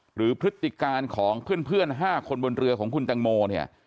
พฤติการของเพื่อน๕คนบนเรือของคุณตังโมเนี่ย